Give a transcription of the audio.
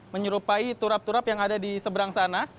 menyerupai turap turap yang ada di seberang sana